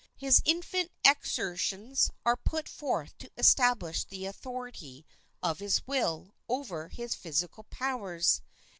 His infant exertions are put forth to establish the authority of his will over his physical powers.